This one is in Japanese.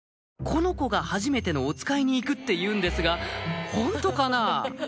この子がはじめてのおつかいに行くっていうんですがホントかなぁ？